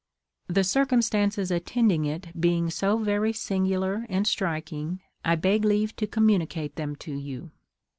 The circumstances attending it being so very singular and striking, I beg leave to communicate them to you.